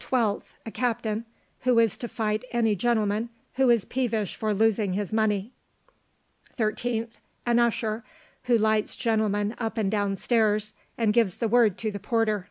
12th. A CAPTAIN, who is to fight any gentleman who is peevish for losing his money. 13th. An USHER, who lights gentlemen up and down stairs, and gives the word to the porter.